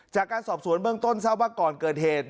จากการสอบสวนเบื้องต้นทราบว่าก่อนเกิดเหตุ